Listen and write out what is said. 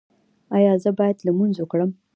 ایا زه باید لمونځ وکړم؟